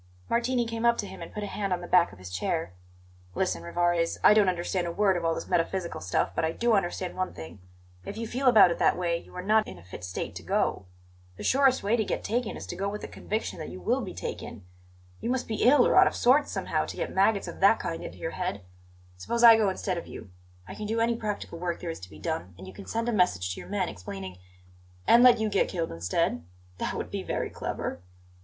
Martini came up to him and put a hand on the back of his chair. "Listen, Rivarez; I don't understand a word of all this metaphysical stuff, but I do understand one thing: If you feel about it that way, you are not in a fit state to go. The surest way to get taken is to go with a conviction that you will be taken. You must be ill, or out of sorts somehow, to get maggots of that kind into your head. Suppose I go instead of you? I can do any practical work there is to be done, and you can send a message to your men, explaining " "And let you get killed instead? That would be very clever."